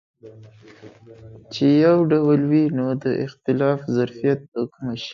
چې یو ډول وي نو د اختلاف ظرفیت له کومه شي.